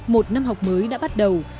một năm học mới đã bắt đầu